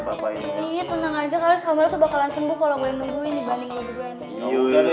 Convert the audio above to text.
iya tenang aja kali samuel bakalan sembuh kalo gue yang nungguin dibanding lo berdua